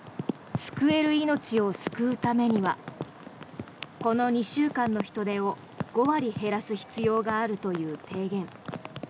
救える命を救うためにはこの２週間の人出を５割減らす必要があるという提言。